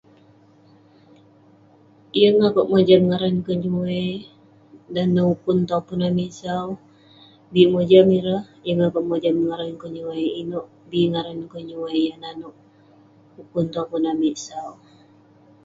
yeng akouk mojam ngaran kenyuai..dan neh ukun topun amik sau, bik mojam ireh..yeng akouk mojam ngaran kenyuai..inouk bi ngaran kenyuai yah nanouk ukun topun amik sau..